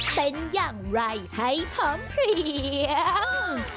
เป็นอย่างไรให้พร้อมเพลียง